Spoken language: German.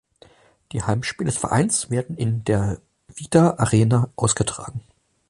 Die Heimspiele des Vereins werden in der Vida Arena ausgetragen.